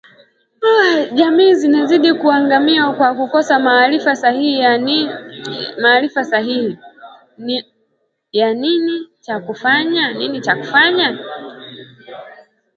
Jamii zinazidi kuangamia kwa kukosa maarifa sahihi ya nini cha kufanya